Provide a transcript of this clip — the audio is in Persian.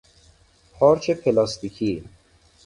پارچ پلاستیکی